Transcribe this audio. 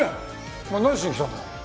お前何しにきたんだ？